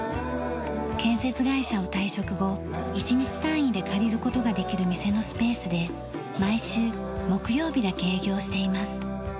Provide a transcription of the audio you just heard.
建設会社を退職後１日単位で借りる事ができる店のスペースで毎週木曜日だけ営業しています。